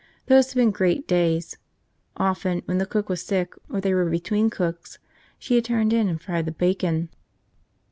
Those had been great days. Often, when the cook was sick or they were between cooks, she had turned in and fried the bacon.